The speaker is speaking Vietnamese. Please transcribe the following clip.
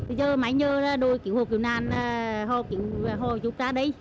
bây giờ mới nhớ là đôi kiểu hồ kiểu nàn họ giúp ra đây